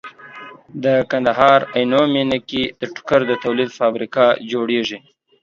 دا د کندهار عينو مينه کې ده ټوکر د تولید فابريکه جوړيږي